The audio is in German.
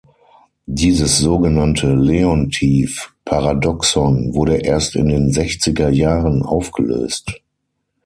Dieses sogenannte Leontief-Paradoxon wurde erst in den sechziger Jahren aufgelöst.